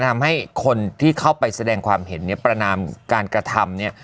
ทำให้คนที่เข้าไปแสดงความเห็นเนี่ยประนามการกระทำเนี่ย